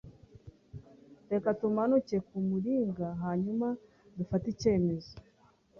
Reka tumanuke kumuringa hanyuma dufate icyemezo.